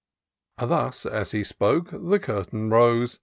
Thus as he spoke, the curtain rose.